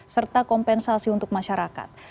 serta kompensasi untuk masyarakat